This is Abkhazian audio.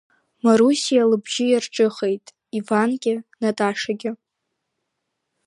Марусиа лыбжьы иарҿыхеит Ивангьы Наташагьы.